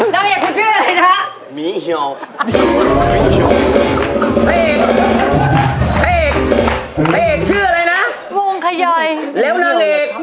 เดี๋ยวนางเอกคุณชื่ออะไรนะ